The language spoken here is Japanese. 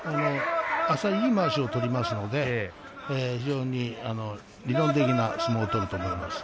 浅い、いいまわしを取りますので非常に理論的な相撲だと思います。